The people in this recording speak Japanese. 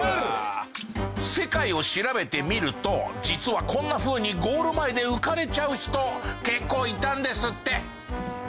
世界を調べてみると実はこんなふうにゴール前で浮かれちゃう人結構いたんですって。